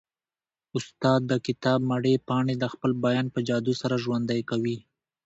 استاد د کتاب مړې پاڼې د خپل بیان په جادو سره ژوندۍ کوي.